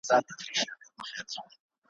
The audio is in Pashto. چي زه ئې په يوه کال کي